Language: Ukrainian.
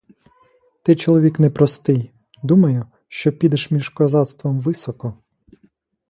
Ти чоловік не простий — думаю, що підеш між козацтвом високо.